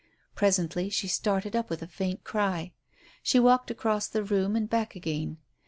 Presently she started up with a faint cry. She walked across the room and back again.